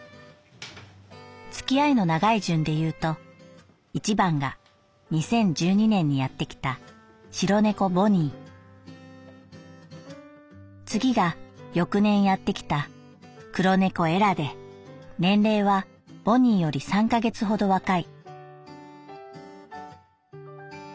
付き合いの長い順で言うと一番が二〇一二年にやって来た白猫ボニー次が翌年やってきた黒猫エラで年齢はボニーより三か月ほど若い」。